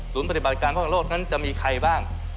ศูนย์ปฏิบัติการป้องกันโลกนั้นจะมีใครบ้าง